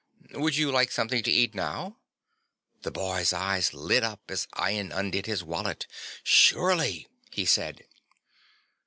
"Would you like something to eat now?" The boy's eyes lit up as Ian undid his wallet. "Surely," he said.